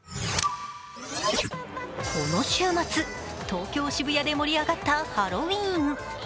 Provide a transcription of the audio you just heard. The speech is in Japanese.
この週末、東京・渋谷で盛り上がったハロウィーン。